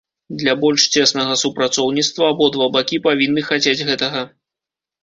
Для больш цеснага супрацоўніцтва абодва бакі павінны хацець гэтага.